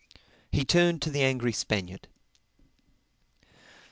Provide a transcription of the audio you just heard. He turned to the angry Spaniard.